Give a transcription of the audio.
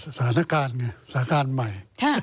สถานการณ์ไงสถานการณ์ใหม่